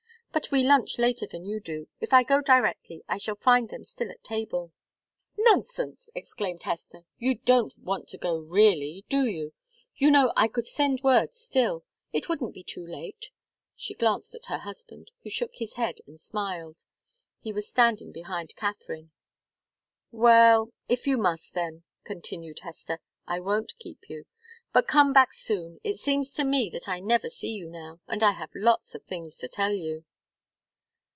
But we lunch later than you do if I go directly, I shall find them still at table." "Nonsense!" exclaimed Hester. "You don't want to go really? Do you? You know, I could send word still it wouldn't be too late." She glanced at her husband, who shook his head, and smiled he was standing behind Katharine. "Well if you must, then," continued Hester, "I won't keep you. But come back soon. It seems to me that I never see you now and I have lots of things to tell you."